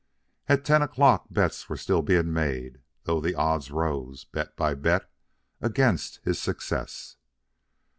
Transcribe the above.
At ten o'clock bets were still being made, though the odds rose, bet by bet, against his success.